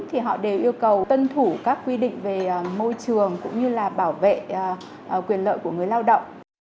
thì họ đều yêu cầu tân thủ các quy định về môi trường cũng như là bảo vệ quyền lợi của người lao động